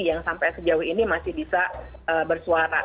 yang sampai sejauh ini masih bisa bersuara